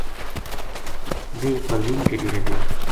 ویہ پروین کے ڈیرے گئی